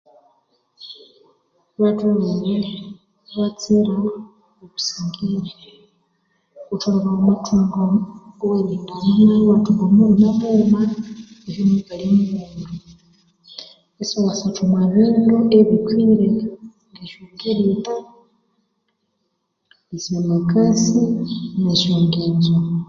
Batholere ibatsira obusingiri ghutholere wamathunga owerihindana nayo iwathunga omulhume mughuma kutse omukali mughuma isiwasatta omwa bindu ebitwire esyogiritta, esyomakasi nesyo'nginzo